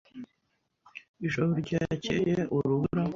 Ijoro ryakeye urubura.